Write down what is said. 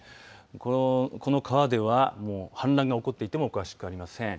この川では氾濫が起こっていてもおかしくありません。